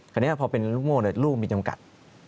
คราวนี้พอเป็นลูกโม่ลูกมีจำกัด